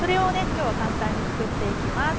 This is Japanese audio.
今日は簡単に作っていきます。